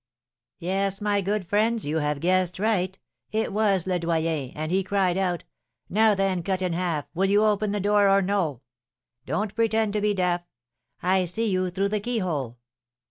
"Yes, my good friends, you have guessed right; it was Le Doyen, and he cried out, 'Now then, Cut in Half, will you open the door or no? Don't pretend to be deaf; I see you through the keyhole.'